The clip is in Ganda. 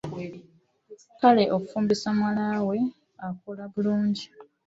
Kale afumbiza muwala we akola bulungi.